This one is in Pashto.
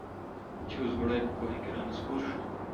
چي اوزګړی په کوهي کي را نسکور سو